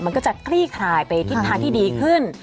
มันก็จะคลี่คลายไปทิศทางที่ดีขึ้น